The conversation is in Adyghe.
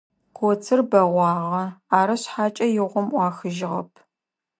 Коцыр бэгъуагъэ, ары шъхьакӏэ игъом ӏуахыжьыгъэп.